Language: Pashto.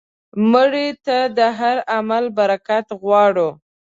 مړه ته د هر عمل برکت غواړو